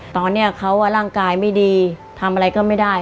ตอนนี้เขาร่างกายไม่ดีทำอะไรก็ไม่ได้